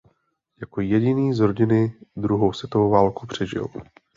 Jako jediný z rodiny druhou světovou válku přežil.